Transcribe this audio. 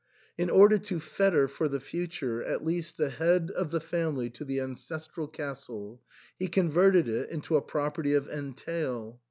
In order to fetter, for the future, at least the head of the family to the ancestral castle, he converted it into a property of entail.